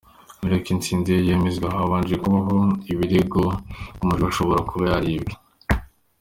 Mbere y’uko intsinzi ye yemezwa, habanje kubaho ibirego ko amajwi ashobora kuba yaribwe.